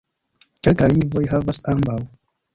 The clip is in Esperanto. Kelkaj lingvoj havas ambaŭ.